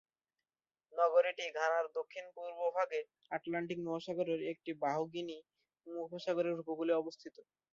নগরীটি ঘানার দক্ষিণ-পূর্বভাগে Atlantic মহাসাগরের একটি বাহু গিনি উপসাগরের উপকূলে অবস্থিত।